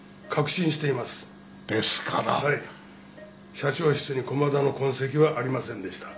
社長室に駒田の痕跡はありませんでした。